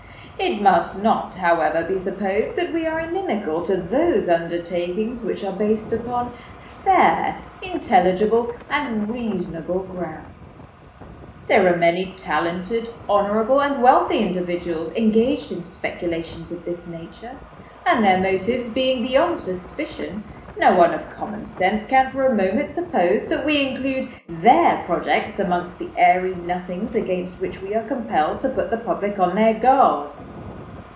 It must not, however, be supposed that we are inimical to those undertakings which are based upon fair, intelligible, and reasonable grounds. There are many talented, honourable, and wealthy individuals engaged in speculations of this nature; and, their motives being beyond suspicion, no one of common sense can for a moment suppose that we include their projects amongst the airy nothings against which we are compelled to put the public on their guard.